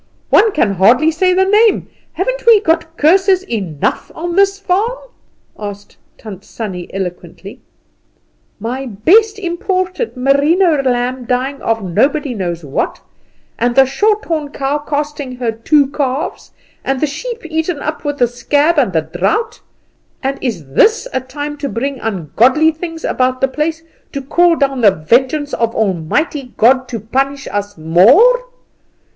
One can hardly say the name. Haven't we got curses enough on this farm?" cried Tant Sannie, eloquently; "my best imported Merino ram dying of nobody knows what, and the short horn cow casting her two calves, and the sheep eaten up with the scab and the drought? And is this a time to bring ungodly things about the place, to call down the vengeance of Almighty God to punish us more?